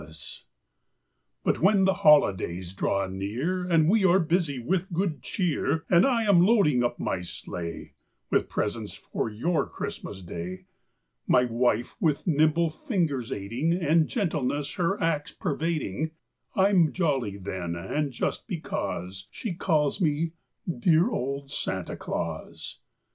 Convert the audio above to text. '" C ' S '^!' S > jn|B r*5v;'j ll 1 S I 1 1 1 1^*1 Copyrighted, 1897 lUT when the holidays draw near And we are busy with good cheer, And I am loading up my sleigh With presents for your Christmas Day, My wife with nimble fingers aiding, And gentleness her acts pervading, I'm jolly then, and just because She calls me 'dear old Santa Claus.